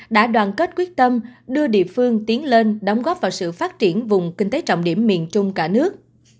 đã đoàn kết quyết tâm đưa địa phương tiến lên đóng góp vào sự phát triển vùng kinh tế trọng điểm miền trung cả nước